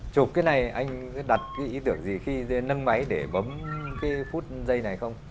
chụp cái này anh đặt cái ý tưởng gì khi nâng máy để bấm cái phút giây này không